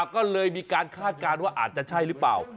ก็เลยมีการคาดการณ์ว่าอาจจะใช่หรือเปล่า